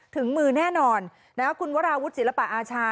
ถึงมือแน่นอนคุณวราวุฒิศิลปะอาชา